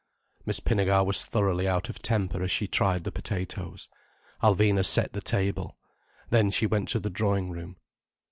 Miss Pinnegar was thoroughly out of temper as she tried the potatoes. Alvina set the table. Then she went to the drawing room.